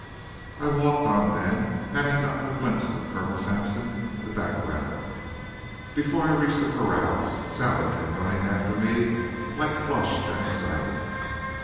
I walked on then, having gotten a glimpse of Colonel Sampson in the background. Before I reached the corrals Sally came running after me, quite flushed and excited.